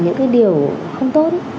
những cái điều không tốt